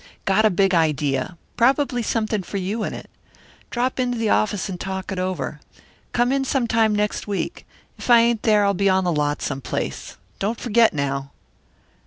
Got a big idea. Probably something for you in it. Drop in t' the office and talk it over. Come in some time next week. 'F I ain't there I'll be on the lot some place. Don't forget, now."